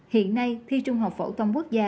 hiện nay thi trung học phổ thông quốc gia